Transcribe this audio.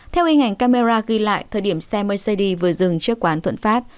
theo in ảnh camera ghi lại thời điểm xe mercedes vừa dừng trước quán thuận phát